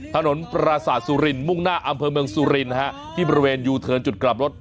ถนนปราศาสสุรินมุ่งหน้าอำเภอเมืองสุรินที่บริเวณยูเทิร์นจุดกลับรถ